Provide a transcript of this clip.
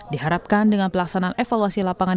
diharapkan dengan pelaksanaan evaluasi lapangan